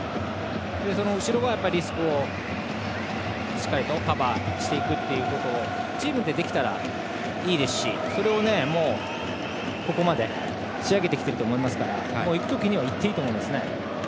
後ろはリスクをしっかりとカバーしていくことをチームでできたらいいですしそれを、ここまで仕上げてきているので行くときにはいっていいですね。